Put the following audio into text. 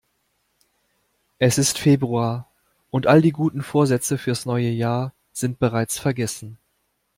Es ist Februar und all die guten Vorsätze fürs neue Jahr sind bereits vergessen.